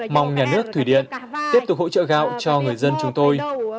mong nhà nước thủy điện tiếp tục hỗ trợ gạo cho người dân chúng tôi